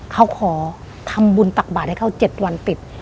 เขาขอทำบุญตักบาทให้เขา๗วันติด